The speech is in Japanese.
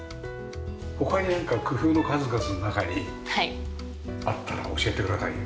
他になんか工夫の数々の中にあったら教えてくださいよ。